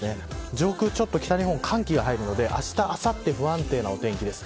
上空ちょっと北日本、寒気が入るのであした、あさって不安定なお天気です。